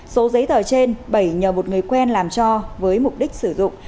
số giấy tờ trên bảy nhờ một người quen làm cho với mục đích sử dụng